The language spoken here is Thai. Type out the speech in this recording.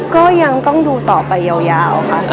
ก็ยังต้องดูต่อไปยาวค่ะ